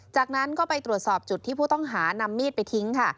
จากนั้นก็ไปตรวจสอบจุดที่ผู้ต้องหานำมีดไปทิ้งค่ะ